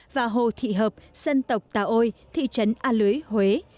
và hồ thị hợp dân tộc tà ôi thị trấn a lưới huế